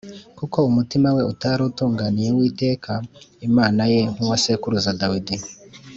kuko umutima we utari utunganiye Uwiteka Imana ye nk’uwa sekuruza Dawidi